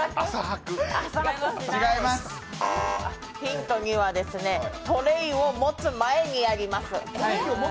ヒント２は、トレーを持つ前にやります。